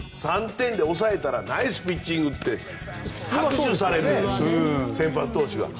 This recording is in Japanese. ３点で抑えたらナイスピッチングって普通は拍手される、先発投手が。